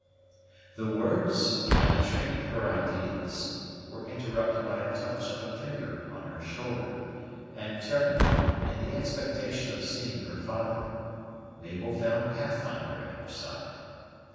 The words, and the train of her ideas, were interrupted by a touch of a finger on her shoulder, and turning, in the expectation of seeing her father, Mabel found Pathfinder at her side.